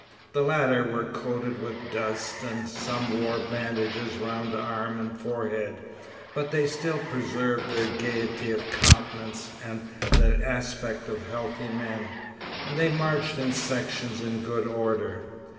The latter were coated with dust, and some wore bandages round arm and forehead, but they still preserved their gaiety of countenance and the aspect of healthy men, and they marched in sections in good order.